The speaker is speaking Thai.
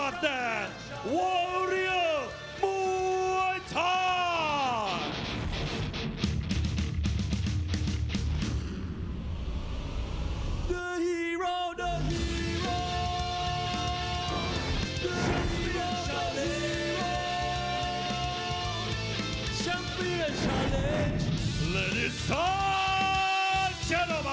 คุณผู้หญิง